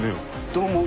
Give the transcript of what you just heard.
どう思う？